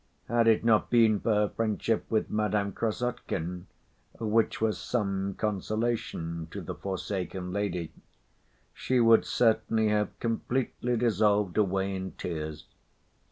Had it not been for her friendship with Madame Krassotkin, which was some consolation to the forsaken lady, she would certainly have completely dissolved away in tears.